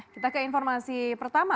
kita ke informasi pertama